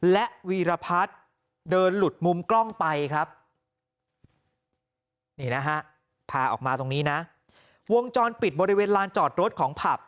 และวีรพัฒน์เดินหลุดมุมกล้องไปครับนี่นะฮะพาออกมาตรงนี้นะวงจรปิดบริเวณลานจอดรถของผับ